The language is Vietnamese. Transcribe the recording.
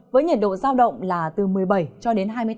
với nhiệt độ giao động là từ một mươi bảy hai mươi tám độ